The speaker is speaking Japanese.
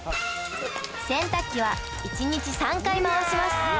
洗濯機は一日３回回します